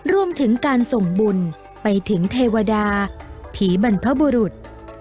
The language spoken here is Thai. รวมถึงการส่งบุญไปถึงเทวดาผีบรรพบุรุษ